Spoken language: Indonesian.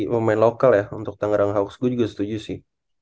pemain lokal ya untuk tangerang hoax gue juga setuju sih